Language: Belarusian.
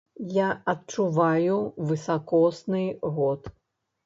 Я адчуваю высакосны год.